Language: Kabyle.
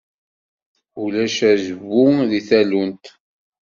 Ulac azwu deg tallunt.